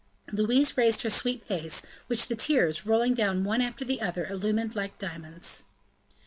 Louise raised her sweet face, which the tears, rolling down one after the other, illumined like diamonds.